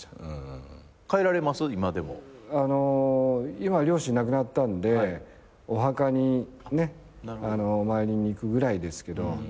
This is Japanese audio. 今両親亡くなったんでお墓にお参りに行くぐらいですけど。